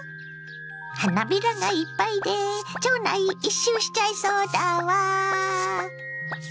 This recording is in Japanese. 花びらがいっぱいで町内一周しちゃいそうだわ。